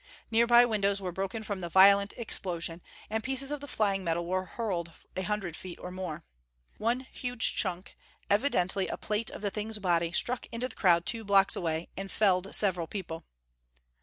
Nearby windows were broken from the violent explosion, and pieces of the flying metal were hurled a hundred feet or more. One huge chunk, evidently a plate of the thing's body, struck into the crowd two blocks away, and felled several people.